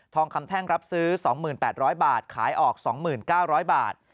คำแท่งรับซื้อ๒๘๐๐บาทขายออก๒๙๐๐บาท